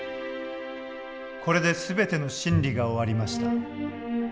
これで全ての審理が終わりました。